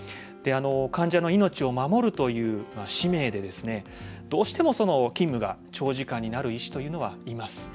患者の命を守るという使命でどうしても、勤務が長時間になるという医師はいます。